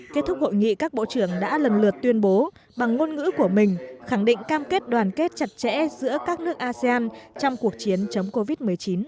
kết thúc hội nghị các bộ trưởng đã lần lượt tuyên bố bằng ngôn ngữ của mình khẳng định cam kết đoàn kết chặt chẽ giữa các nước asean trong cuộc chiến chống covid một mươi chín